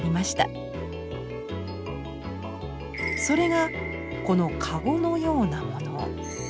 それがこのかごのようなもの。